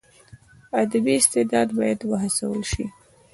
ادبي استعداد باید وهڅول سي.